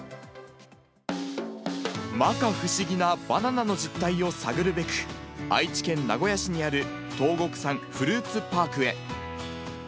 まか不思議なバナナの実態を探るべく、愛知県名古屋市にある東谷山フルーツパークへ。